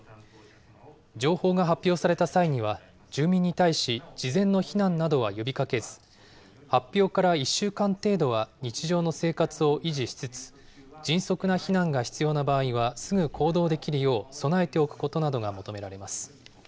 情報が発表された際には、住民に対し、事前の避難などは呼びかけず、発表から１週間程度は日常の生活を維持しつつ、迅速な避難が必要な場合は、すぐ行動できるよう備えておくことなどが求められます。